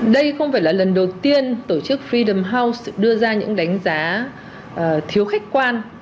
đây không phải là lần đầu tiên tổ chức fidam house đưa ra những đánh giá thiếu khách quan